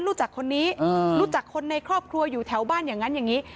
รู้จักคนนี้รู้จักคนในครอบครัวอยู่แถวบ้านอย่างนั้นอย่างนี้